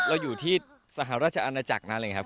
เราอยู่ที่สหราชอันตรรจักรนะครับ